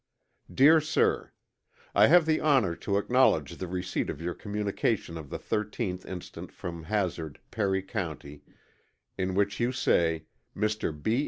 Dear Sir: I have the honor to acknowledge the receipt of your communication of the 13th inst. from Hazard, Perry County, in which you say "Mr. B.